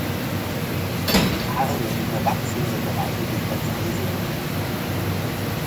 Die Farne, die hier wachsen, sind doch eigentlich ganz ansehnlich.